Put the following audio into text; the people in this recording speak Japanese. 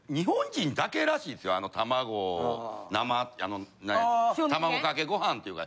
卵生卵かけご飯っていうか。